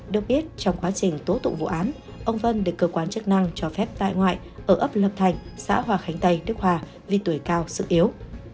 được biết trong quá trình tố tụng vụ án ông vân được cơ quan chức năng cho phép tại ngoại ở ấp lập thành xã hòa khánh tây đức hòa vì tuổi cao sức yếu